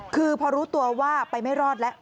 คือพอรู้ตัวว่าไปไม่รอดแล้ว